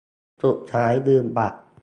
สุดท้ายลืมบัตร